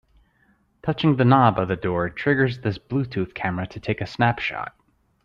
Touching the knob of the door triggers this Bluetooth camera to take a snapshot.